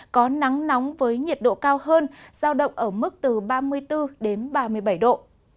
có nắng nóng với nhiệt độ cao hơn giao động ở mức từ ba mươi bốn đến ba mươi bảy độ